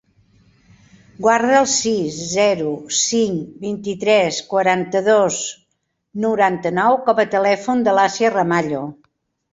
Guarda el sis, zero, cinc, vint-i-tres, quaranta-dos, noranta-nou com a telèfon de l'Asia Ramallo.